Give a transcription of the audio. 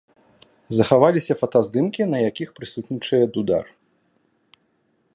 Захаваліся фотаздымкі на якіх прысутнічае дудар.